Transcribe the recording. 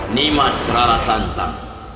nimas rara santang